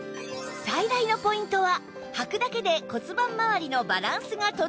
最大のポイントははくだけで骨盤まわりのバランスが整う事